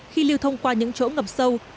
khi lưu thông qua những chỗ ngập sâu